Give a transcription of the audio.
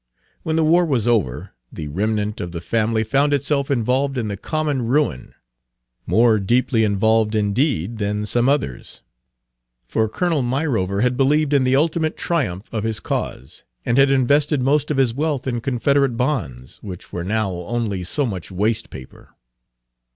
When the war was over, the remnant of the family found itself involved in the common ruin, more deeply involved, indeed, than some others; for Colonel Myrover had believed in the ultimate triumph of his cause, and had invested most of his wealth in Confederate bonds, which were now only so much waste paper.